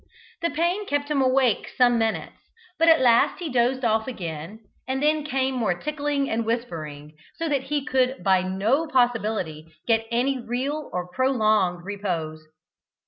The pain kept him awake some minutes, but at last he dozed off again, and then came more tickling and whispering, so that he could by no possibility get any real or prolonged repose.